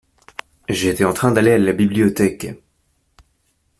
J’étais en train d’aller à la bibliothèque.